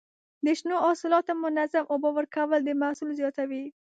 د شنو حاصلاتو منظم اوبه ورکول د محصول زیاتوي.